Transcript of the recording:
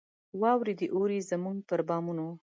واوري دي اوري زموږ پر بامونو